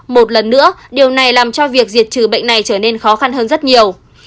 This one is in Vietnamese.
một lần nữa điều này làm cho việc diệt trừ bệnh này trở nên khó khăn hơn rất nhiều